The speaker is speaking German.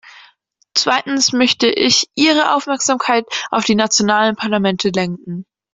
Zweitens möchte ich Ihre Aufmerksamkeit auf die nationalen Parlamente lenken.